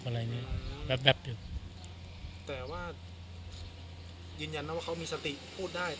แต่ว่ายืนยันนะว่ามีสติพูดได้